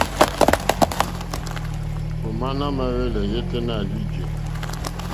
Òmá nà mà hwɛ́lɛ́ yêténá à rzí jè.